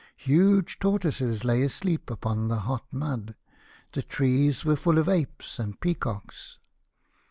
Huge tortoises lay asleep upon the hot mud. The trees were full of apes and peacocks.